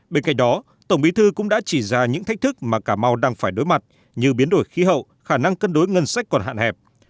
bên cạnh đó tổng bí thư cũng đã chỉ ra những thách thức mà cà mau đang phải đối mặt như biến đổi khí hậu khả năng cân đối ngân sách còn hạn hẹp